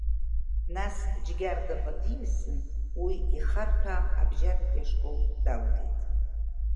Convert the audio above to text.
Нас Џьгьардаҟа диасын, уи ихарҭәаам абжьаратәи ашкол далгеит.